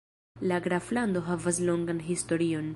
La graflando havas longan historion.